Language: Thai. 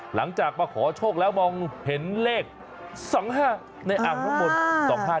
หลังจากมาขอโชคแล้วมองเห็นเลข๒๕ในอ่างน้ำมนต์๒๕๖